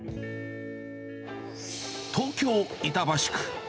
東京・板橋区。